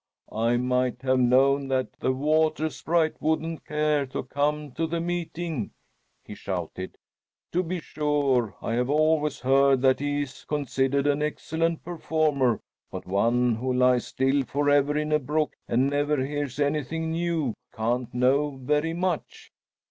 "I might have known that the Water Sprite wouldn't care to come to the meeting," he shouted. "To be sure, I have always heard that he is considered an excellent performer, but one who lies still forever in a brook and never hears anything new can't know very much!